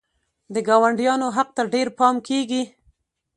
د ګاونډیانو حق ته ډېر پام کیږي.